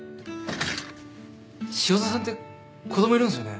塩沢さんって子供いるんすよね。